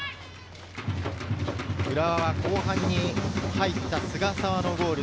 浦和は後半に入った菅澤のゴール。